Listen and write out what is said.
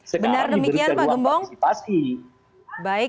sekarang diberi peluang partisipasi